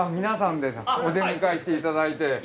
皆さんでお出迎えしていただいて。